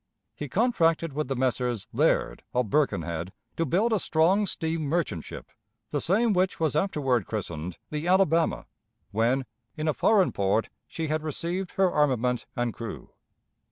He contracted with the Messrs. Laird, of Birkenhead, to build a strong steam merchant ship the same which was afterward christened "The Alabama" when, in a foreign port, she had received her armament and crew.